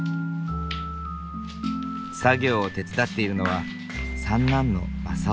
作業を手伝っているのは三男の匡央さん。